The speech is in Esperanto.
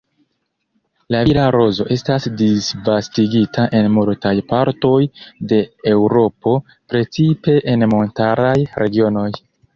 La vila rozo estas disvastigita en multaj partoj de Eŭropo precipe en montaraj regionoj.